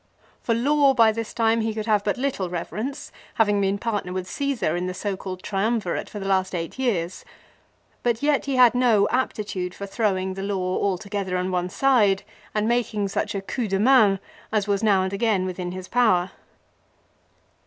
For law by this time he could have but little reverence having been partner with Csesar in the so called Triumvirate for the last eight years. But yet he had no aptitude for throwing the law altogether on one side and making such a "coup de main" as was now and again within his power.